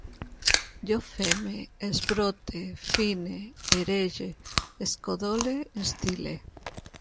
Jo feme, esbrote, fine, erege, escodole, instil·le